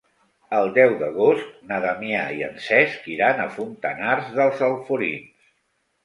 El deu d'agost na Damià i en Cesc iran a Fontanars dels Alforins.